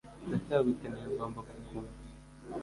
Ndacyagukeneye ugomba kuguma